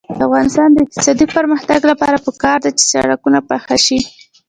د افغانستان د اقتصادي پرمختګ لپاره پکار ده چې سړکونه پاخه شي.